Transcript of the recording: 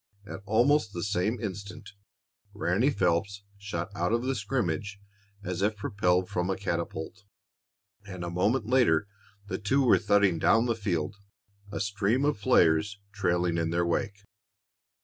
At almost the same instant Ranny Phelps shot out of the scrimmage as if propelled from a catapult, and a moment later the two were thudding down the field, a stream of players trailing in their wake.